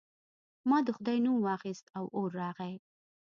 ما د خدای نوم واخیست او اور راغی.